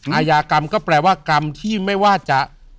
อาญากรรมก็แปลว่ากรรมที่ไม่ว่าจะ